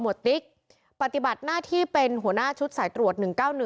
ติ๊กปฏิบัติหน้าที่เป็นหัวหน้าชุดสายตรวจ๑๙๑